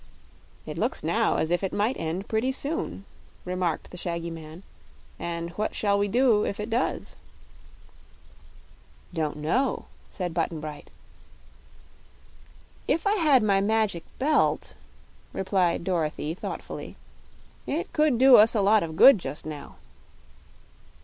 "It looks now as if it might end pretty soon," remarked the shaggy man; "and what shall we do if it does?" "Don't know," said Button Bright. "If I had my Magic Belt," replied Dorothy, thoughtfully, "it could do us a lot of good just now."